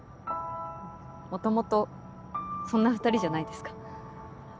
もともとそんな２人じゃないですか。